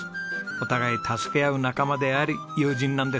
お互い助け合う仲間であり友人なんです。